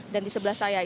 dan di sebelah saya ini